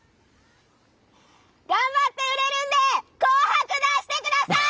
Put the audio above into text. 頑張って売れるんで「紅白」出してください！